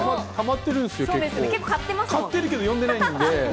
買ってるけど読んでないんで。